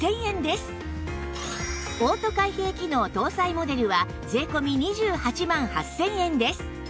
オート開閉機能搭載モデルは税込２８万８０００円です